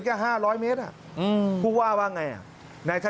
แค่ห้าร้อยเมตร